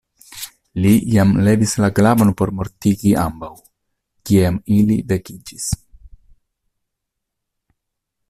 Li jam levis la glavon por mortigi ambaŭ, kiam ili vekiĝis.